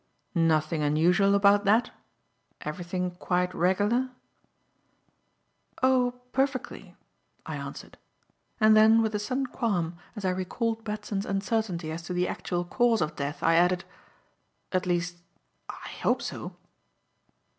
"Nothing unusual about that? Everything quite regular?" "Oh, perfectly," I answered; and then with a sudden qualm, as I recalled Batson's uncertainty as to the actual cause of death, I added, "At least I hope so."